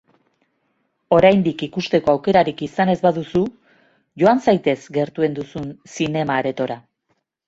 Oraindik ikusteko aukerarik izan ez baduzu, joan zaitez gertuen duzun zinema-aretora.